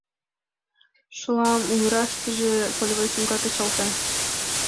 Шола могырыштыжо полевой сумка кечалта.